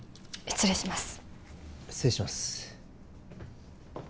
失礼します